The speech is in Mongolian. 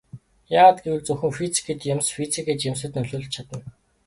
Яагаад гэвэл зөвхөн физик эд юмс физик эд юмсад нөлөөлж чадна.